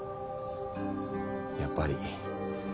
やっぱり。